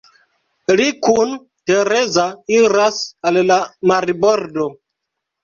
Li kun Tereza iras al la marbordo.